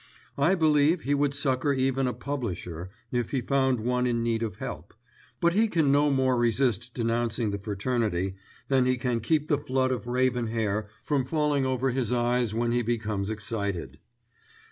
I believe he would succour even a publisher if he found one in need of help; but he can no more resist denouncing the fraternity than he can keep the flood of raven hair from falling over his eyes when he becomes excited.